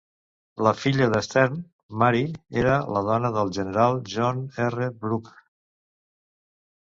La filla de Stearn, Mary, era la dona del general John R. Brooke.